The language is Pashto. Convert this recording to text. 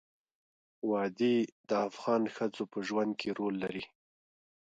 وادي د افغان ښځو په ژوند کې رول لري.